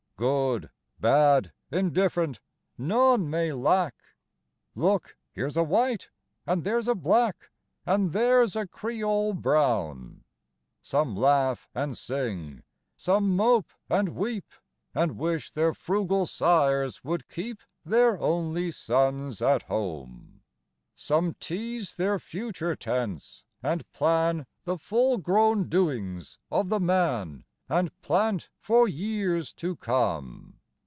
Good, bad, indiff'rent none may lack! Look, here's a White, and there's a Black And there's a Creole brown! XIII. Some laugh and sing, some mope and weep, And wish their frugal sires would keep Their only sons at home; Some tease their future tense, and plan The full grown doings of the man, And plant for years to come!